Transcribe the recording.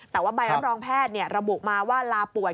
แต่ว่าใบรับรองแพทย์ระบุมาว่าลาป่วย